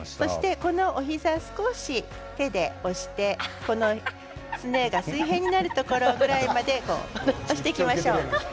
膝を手で押してすねが水平になるところまで押していきましょう。